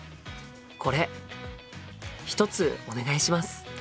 これ１つお願いします。